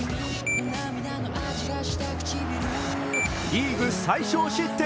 リーグ最少失点